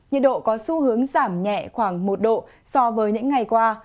nhiệt độ có xu hướng giảm nhẹ khoảng một độ so với những ngày qua